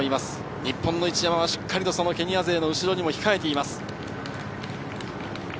日本の一山、しっかりケニア勢の後ろに控えています。